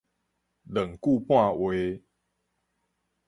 兩句半話